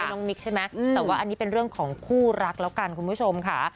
น้องมิกใช่ไหมแต่ว่าอันนี้เป็นเรื่องของคู่รักแล้วกันคุณผู้ชมค่ะ